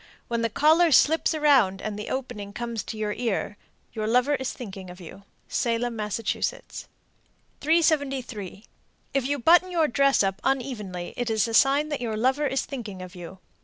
When the collar slips around and the opening comes to the ear, your lover is thinking of you. Salem, Mass. 373. If you button your dress up unevenly, it is a sign that your lover is thinking of you.